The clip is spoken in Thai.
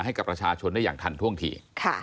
ให้กับประชาชนได้อย่างทันท่วงที